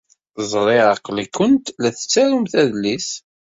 Ẓṛiɣ aql-iken la tettarum adlis.